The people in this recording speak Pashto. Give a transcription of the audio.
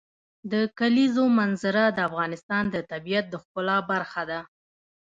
د کلیزو منظره د افغانستان د طبیعت د ښکلا برخه ده.